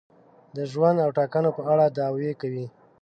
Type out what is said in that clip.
د ژوند او ټاکنو په اړه دعوې کوي.